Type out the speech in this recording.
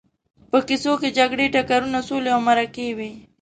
په کیسو کې جګړې، ټکرونه، سولې او مرکې وي.